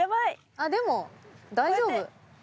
あっでも大丈夫。